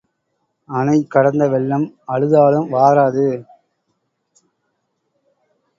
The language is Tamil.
அணை கடந்த வெள்ளம் அழுதாலும் வாராது.